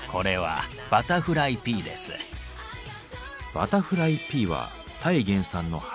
バタフライピーはタイ原産の花のハーブ。